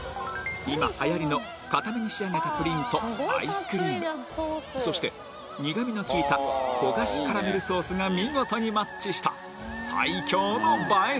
今はやりの硬めに仕上げたプリンとアイスクリームそして苦みの効いた焦がしカラメルソースが見事にマッチした最強の映え